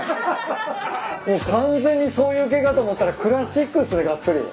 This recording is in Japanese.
もう完全にそういう系かと思ったらクラシックっすねがっつり。